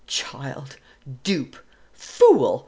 Child, dupe, fool!